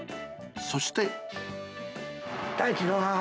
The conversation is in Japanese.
そして。